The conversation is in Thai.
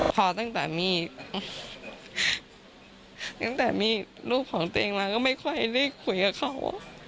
พอตั้งแต่มีตั้งแต่มีลูกของตัวเองมาก็ไม่ค่อยได้คุยกับเขา